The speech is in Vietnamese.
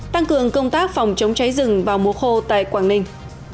tăng cường công tác phòng chống cháy rừng vào mùa khô tại quảng ninh